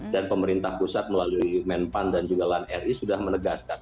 dan pemerintah pusat melalui menpan dan juga lan ri sudah menegaskan